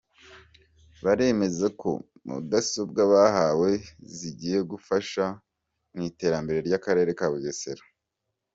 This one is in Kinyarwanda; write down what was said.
Baremeza ko mudasobwa bahawe zigiye gufasha mu iterambere ry’Akarere kabugesera